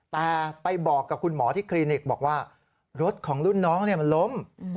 แต่ไปบอกกับคุณหมอที่คลินิกบอกว่ารถของรุ่นน้องมันล้ม